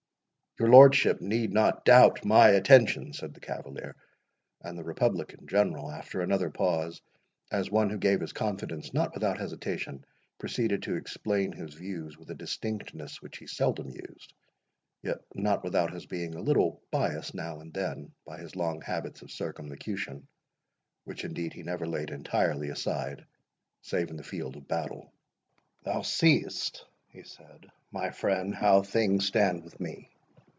"Your lordship need not doubt my attention," said the cavalier. And the republican General, after another pause, as one who gave his confidence not without hesitation, proceeded to explain his views with a distinctness which he seldom used, yet not without his being a little biassed now and then, by his long habits of circumlocution, which indeed he never laid entirely aside, save in the field of battle. "Thou seest," he said, "my friend, how things stand with me.